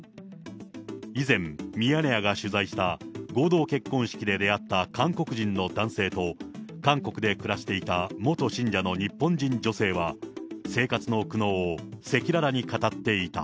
以前、ミヤネ屋が取材した合同結婚式で出会った韓国人の男性と韓国で暮らしていた元信者の日本人女性は、生活の苦悩を赤裸々に語っていた。